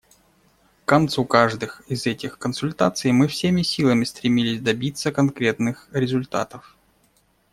К концу каждых из этих консультаций мы всеми силами стремились добиться конкретных результатов.